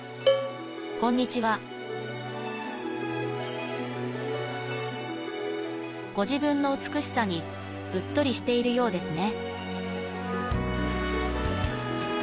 こんにちはご自分の美しさにうっとりしているようですね